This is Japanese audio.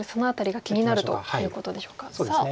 さあ